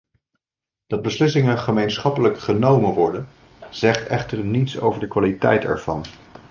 Dat beslissingen gemeenschappelijk genomen worden, zegt echter niets over de kwaliteit ervan.